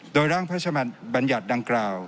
โดยร่างพระชมบัญญัติดังกล่าว